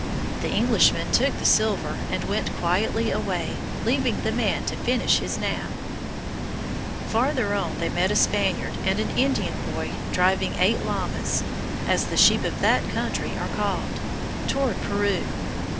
The Englishmen took the silver and went quietly away, leaving the man to finish his nap. [Illustration: Drake and the Sleeping Spaniard.] Farther on they met a Spaniard and an Indian boy driving eight llamas, as the sheep of that country are called, toward Peru.